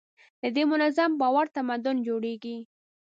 له دې منظم باور تمدن جوړېږي.